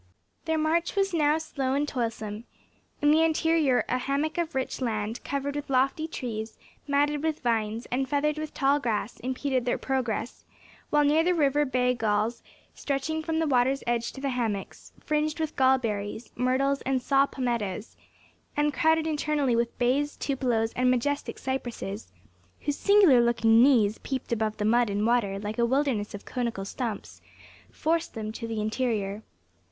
Their march was now slow and toilsome. In the interior a hammock of rich land, covered with lofty trees, matted with vines, and feathered with tall grass, impeded their progress; while near the river bay galls, stretching from the water's edge to the hammocks, fringed with gall berries, myrtles and saw palmettoes, and crowded internally with bays, tupeloes, and majestic cypresses (whose singular looking "knees" peeped above the mud and water like a wilderness of conical stumps), forced them to the interior.